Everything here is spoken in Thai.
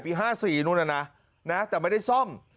๕๔นู่นน่ะนะแต่ไม่ได้ซ่อม